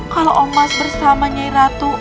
kalau emas bersama nyai ratu